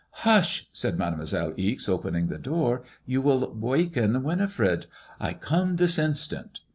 '* Hush I " said Mademoiselle Ixe, opening the door. You will waken Winifred. I come, this instant."